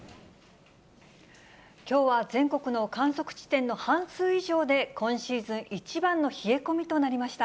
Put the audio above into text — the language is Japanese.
きょうは全国の観測地点の半数以上で、今シーズン一番の冷え込みとなりました。